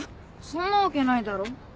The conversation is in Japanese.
そんなわけないだろ。